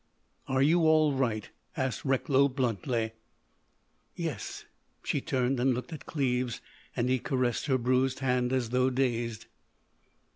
"Are you all right?" asked Recklow bluntly. "Yes." She turned and looked at Cleves and he caressed her bruised hand as though dazed.